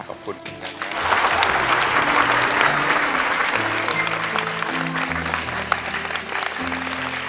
ขอบคุณอีกครับ